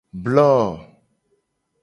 Blo.